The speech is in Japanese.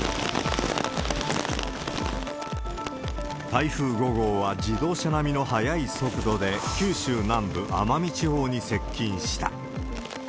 台風５号は、自動車並みの速い速度で九州南部・奄美地方に接近した。